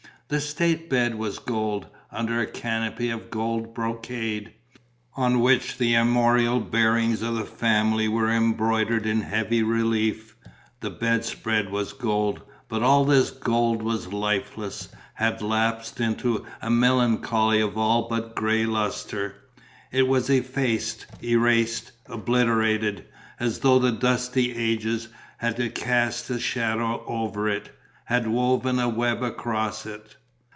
The state bed was gold, under a canopy of gold brocade, on which the armorial bearings of the family were embroidered in heavy relief; the bedspread was gold; but all this gold was lifeless, had lapsed into the melancholy of all but grey lustre: it was effaced, erased, obliterated, as though the dusty ages had cast a shadow over it, had woven a web across it.